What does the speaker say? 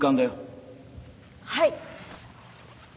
はい。